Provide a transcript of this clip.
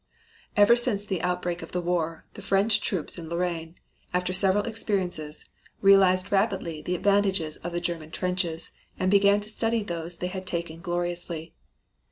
Ever since the outbreak of the war, the French troops in Lorraine, after severe experiences, realized rapidly the advantages of the German trenches, and began to study those they had taken gloriously.